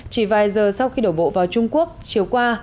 chỉ vài giờ sau khi đổ bộ vào trung quốc chiều qua